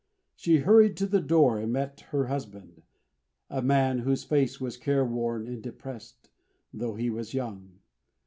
She hurried to the door and met her husband; a man whose face was care worn and depressed, though he was young.